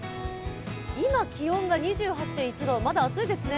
今、気温が２８．１度、まだ暑いですね。